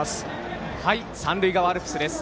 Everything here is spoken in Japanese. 三塁側アルプスです。